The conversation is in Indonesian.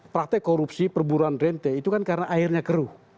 praktek korupsi perburuan rente itu kan karena airnya keruh